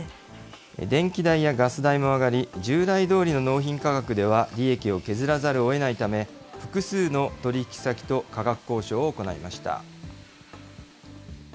電気代やガス代も上がり、従来どおりの納品価格では、利益を削らざるをえないため、複数の取り引き先と価格交渉を行いました。